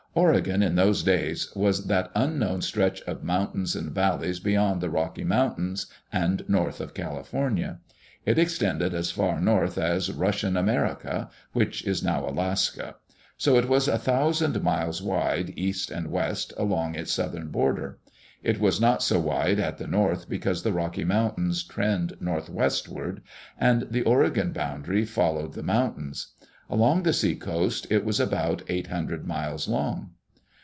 Oregon, in those days, was that unknown stretch of mountains and valleys beyond the Rocky Mountains and north of California. It extended as far north as " Russian America," which is now Alaska; so it was a thousand miles wide, east and west, along its southern border. It was not so wide at the north because the Rocky Mountains trend northwestward, and the Oregon boundary followed the mountains. Along the seacoast it was about eight hundred miles long.